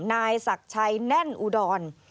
นายศักดิ์ชัยแน่นอุดร